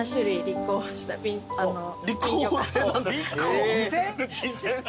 立候補制なんですか。